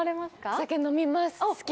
お酒飲みます。